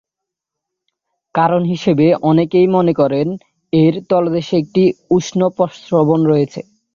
কারণ হিসেবে অনেকে মনে করেন এর তলদেশে একটি উষ্ণ প্রস্রবণ রয়েছে।